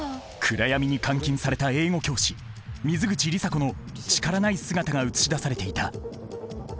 暗闇に監禁された英語教師水口里紗子の力ない姿が映し出されていた。